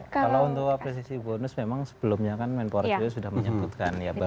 kalau untuk apresiasi bonus memang sebelumnya kan menporjo sudah menyebutkan ya baru gitu sih